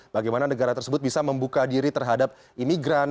bagaimana negara tersebut bisa membuka diri terhadap imigran